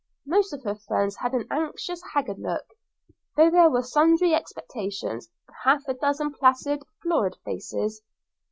Most of her friends had an anxious, haggard look, though there were sundry exceptions half a dozen placid, florid faces.